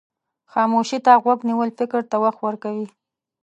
خاموشي ته غوږ نیول فکر ته وخت ورکوي.